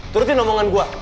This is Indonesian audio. turutin omongan gua